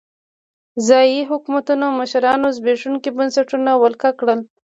ځايي حکومتونو مشرانو زبېښونکي بنسټونه ولکه کړل.